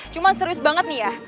cuma serius banget nih ya